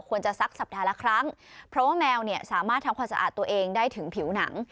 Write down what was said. จะซักสัปดาห์ละครั้งเพราะว่าแมวเนี่ยสามารถทำความสะอาดตัวเองได้ถึงผิวหนัง